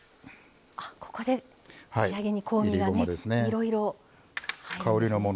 ここで仕上げに香味がいろいろ入りますね。